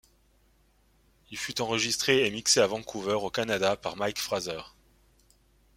Il fut enregistré et mixé à Vancouver au Canada par Mike Fraser.